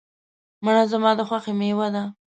مڼه زما د خوښې مېوه ده.